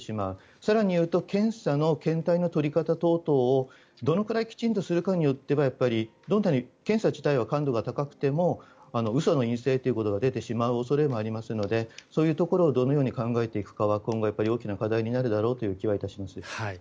更に言うと検査の検体の採り方等々をどのくらいきちんとするかによってはどんなに検査自体は感度が高くても嘘の陰性ということが出てしまう恐れもありますのでそういうところをどのように考えていくかは今後、大きな課題になっていくだろうと思います。